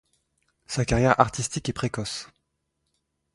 Sa carrière artistique est précoce.